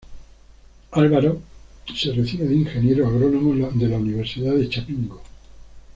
Álvaro se recibe de Ingeniero agrónomo de la Universidad de Chapingo.